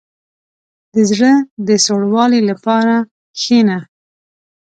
• د زړه د سوړوالي لپاره کښېنه.